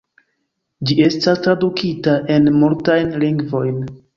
Ĝi estas tradukita en multajn lingvojn.